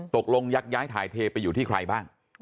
ตกลงยักย้ายถ่ายเทไปอยู่ที่ใครบ้าง